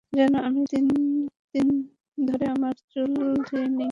জানো, আমি তিন ধরে আমার চুল ধুই নি!